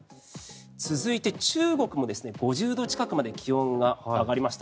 続いて中国も５０度近くまで気温が上がりました。